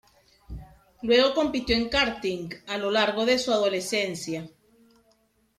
Luego compitió en karting a lo largo de su adolescencia.